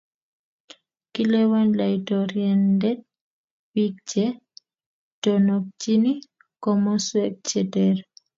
kilewen laitoriande biik che tononchini komoswek che ter